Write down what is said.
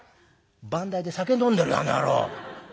「番台で酒飲んでるよあの野郎」。